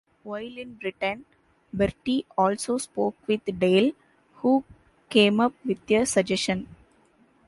While in Britain, Bertie also spoke with Dale, who came up with a suggestion.